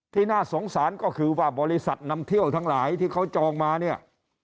น่าสงสารก็คือว่าบริษัทนำเที่ยวทั้งหลายที่เขาจองมาเนี่ย